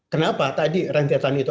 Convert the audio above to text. kenapa tadi rangkaian itu